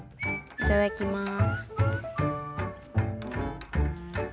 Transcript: いただきます。